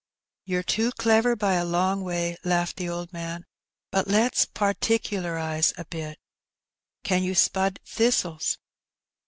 "You're too clever by a long way," laughed the old man; "but let's perticlerize a bit. Can you spud thistles?''